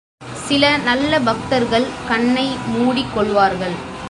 சில நல்ல பக்தர்கள் கண்ணை மூடிக் கொள்வார்கள்.